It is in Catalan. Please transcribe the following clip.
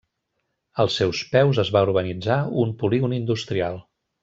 Als seus peus es va urbanitzar un polígon industrial.